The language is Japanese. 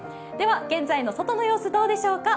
現在の外の様子どうでしょうか。